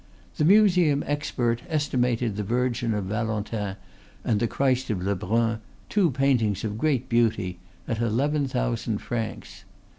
The Museum expert estimated the Virgin of Valentin and the Christ of Lebrun, two paintings of great beauty, at eleven thousand francs.